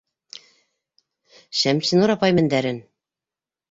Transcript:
Шәмсинур апай мендәрен